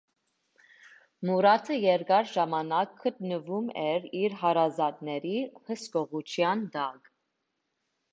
Մուրադը երկար ժամանակ գտնվում էր իր հարազատների հսկողության տակ։